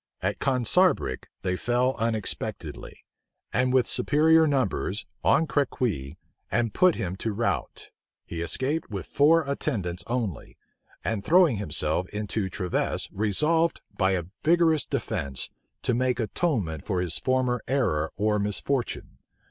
At Consarbric they fell unexpectedly, and with superior numbers, on Crequi, and put him to rout. He escaped with four attendants only; and throwing himself into Treves, resolved, by a vigorous defence, to make atonement for his former error or misfortune.